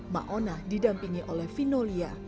mak ona didampingi oleh fino lia